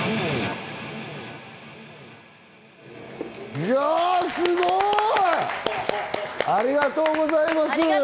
いや、すごい！ありがとうございます。